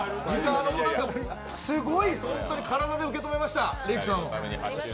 すごい体で受け止めました。